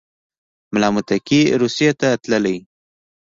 ملا متقي روسیې ته تللی